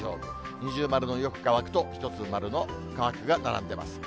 二重丸のよく乾くと、一つ丸の乾くが並んでます。